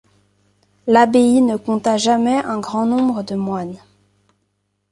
L'abbaye ne compta jamais un grand nombre de moines.